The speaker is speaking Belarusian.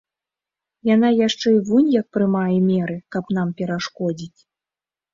Яна яшчэ і вунь як прымае меры, каб нам перашкодзіць.